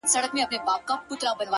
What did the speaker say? هم دي د سرو سونډو په سر كي جـادو ـ